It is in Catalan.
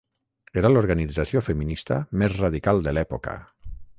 Era l'organització feminista més radical de l'època.